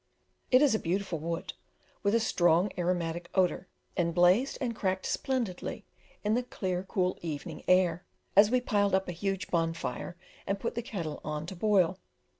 It is a beautiful wood, with a strong aromatic odour, and blazed and crackled splendidly in the clear, cool evening air, as we piled up a huge bonfire, and put the kettle on to boil.